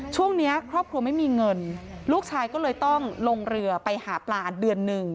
ช่วงนี้ครอบครัวไม่มีเงินลูกชายก็เลยต้องลงเรือไปหาปลาเดือนหนึ่ง